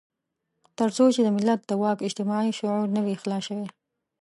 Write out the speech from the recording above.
تر څو چې د ملت د واک اجتماعي شعور نه وي خلاص شوی.